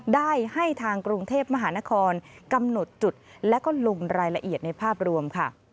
ได้ให้ทางกรุงเทพมหานครกำหนดจุดและก็ลงรายละเอียดในภาพรวมค่ะ